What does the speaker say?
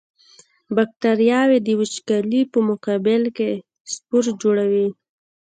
بکټریاوې د وچوالي په مقابل کې سپور جوړوي.